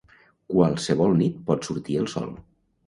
Qualsevol nit pot sortir el sol